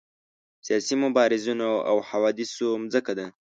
سیاسي مبارزینو او حوادثو مځکه ده.